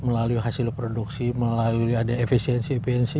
melalui hasil produksi melalui ada efisiensi